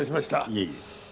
いえいえ。